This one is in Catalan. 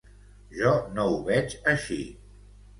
Jo no ho veig així.